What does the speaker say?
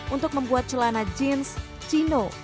untuk membuat celana jeans chino